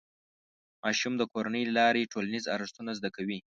ماشوم د کورنۍ له لارې ټولنیز ارزښتونه زده کوي.